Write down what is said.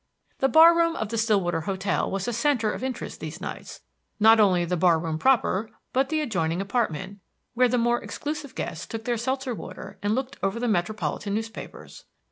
The bar room of the Stillwater hotel was a center of interest these nights; not only the bar room proper, but the adjoining apartment, where the more exclusive guests took their seltzer water and looked over the metropolitan newspapers.